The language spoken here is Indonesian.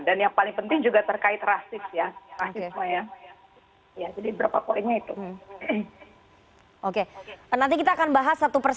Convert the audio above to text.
dan yang paling penting juga terkait rasis ya